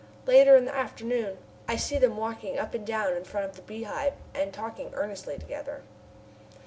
Later, in the afternoon, I see them walking up and down in front of the Beehive and talking earnestly together.